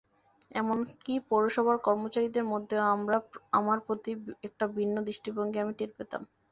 এমনকি পৌরসভার কর্মচারীদের মধ্যেও আমার প্রতি একটা ভিন্ন দৃষ্টিভঙ্গি আমি টের পেতাম।